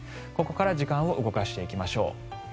ここから時間を動かしていきましょう。